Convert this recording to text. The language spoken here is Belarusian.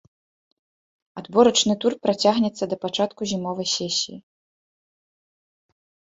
Адборачны тур працягнецца да пачатку зімовай сесіі.